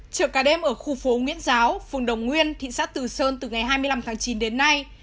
chở cả đêm ở khu phố nguyễn giáo phường đồng nguyên thị xã từ sơn từ ngày hai mươi năm tháng chín đến nay